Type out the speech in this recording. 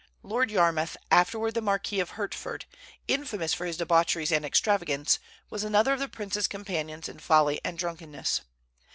Lord Yarmouth, afterward the Marquis of Hertford, infamous for his debaucheries and extravagance, was another of the prince's companions in folly and drunkenness.